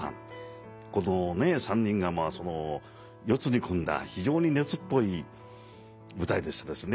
この３人が四つに組んだ非常に熱っぽい舞台でしたですね。